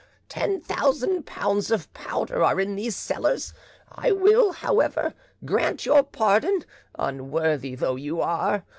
Ten thousand pounds of powder are in these cellars. I will, however, grant your pardon, unworthy though you are.